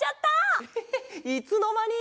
えっいつのまに！？